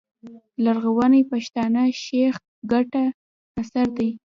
لرغوني پښتانه، شېخ کټه اثر دﺉ.